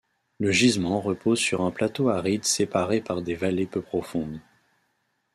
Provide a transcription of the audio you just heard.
Le gisement repose sur un plateau aride séparé par des vallées peu profondes.